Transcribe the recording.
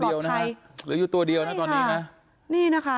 เตรียมยังเท่ายังอยู่ตัวเดียวน่ะตอนนี้นะ